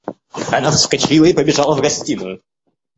Она вскочила и побежала в гостиную.